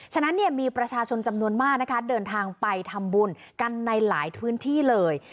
ฉะนั้นเนี่ยมีประชาชนจำนวนมากนะคะเดินทางไปทำบุญกันในหลายพื้นที่เลย